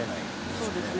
そうですね。